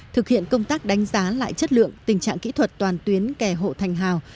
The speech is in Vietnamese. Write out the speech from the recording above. thực hiện công tác đánh giá lại chất lượng tình trạng kỹ thuật toàn tuyến kẻ hộ thành hào